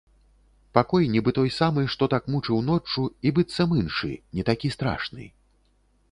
Пакой нібы той самы, што так мучыў ноччу, і быццам іншы, не такі страшны.